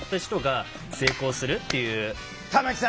玉木さん